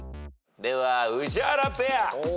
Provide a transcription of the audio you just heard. では宇治原ペア。